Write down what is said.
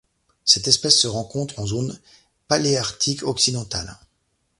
Cette espèce se rencontre en zone paléarctique occidentale.